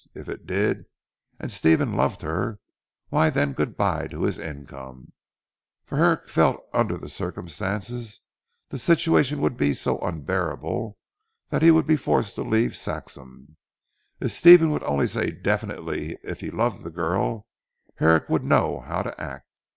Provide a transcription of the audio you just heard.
If it did, and Stephen loved her, why then good bye to his income. For Herrick felt that under the circumstances the situation would be so unbearable that he would be forced to leave Saxham. If Stephen would only say definitely if he loved the girl Herrick would know how to act.